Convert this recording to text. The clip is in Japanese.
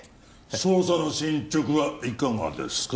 捜査の進捗はいかがですか？